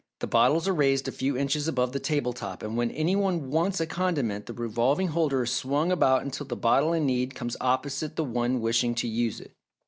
The bottles are raised a few inches above the table top and when any one wants a condiment the revolving holder is swung about until the bottle in need comes opposite the one wishing to use it."